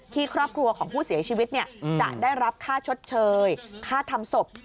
ครอบครัวของผู้เสียชีวิตจะได้รับค่าชดเชยค่าทำศพ